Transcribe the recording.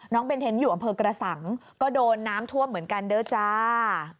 เบนเทนต์อยู่อำเภอกระสังก็โดนน้ำท่วมเหมือนกันเด้อจ้า